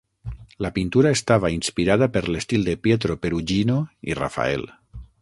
La pintura estava inspirada per l'estil de Pietro Perugino i Rafael.